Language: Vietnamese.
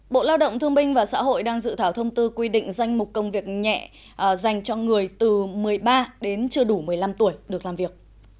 bộ lao động thương minh và xã hội đang dự thảo thông tư quy định danh mục công việc nhẹ dành cho người từ một mươi ba đến chưa đủ một mươi năm tuổi được làm việc